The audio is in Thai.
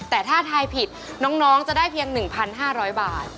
แต่ถ้าทายผิดน้องจะได้เพียงหนึ่งพันห้าร้อยบาท